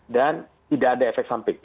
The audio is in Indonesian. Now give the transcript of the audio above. dan tidak ada efek samping